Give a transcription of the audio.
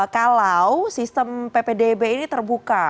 kalau sistem ppdb ini terbuka